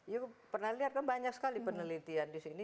ya pernah lihat kan banyak sekali penelitian di sini